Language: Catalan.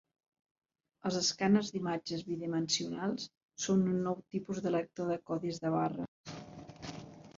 Els escàners d'imatges bidimensionals són un nou tipus de lector de codis de barres.